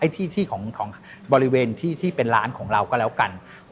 ที่ของบริเวณที่เป็นร้านของเราก็แล้วกัน